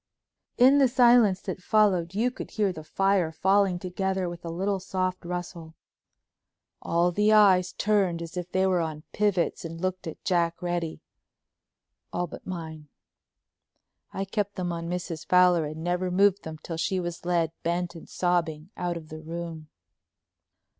In the silence that followed you could hear the fire falling together with a little soft rustle. All the eyes turned as if they were on pivots and looked at Jack Reddy—all but mine. I kept them on Mrs. Fowler and never moved them till she was led, bent and sobbing, out of the room.